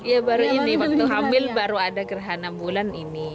ya baru ini waktu hamil baru ada gerhana bulan ini